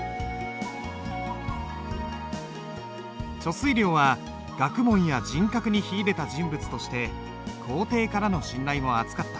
遂良は学問や人格に秀でた人物として皇帝からの信頼も厚かった。